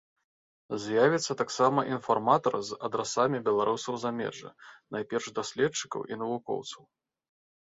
З'явіцца таксама інфарматар з адрасамі беларусаў замежжа, найперш даследчыкаў і навукоўцаў.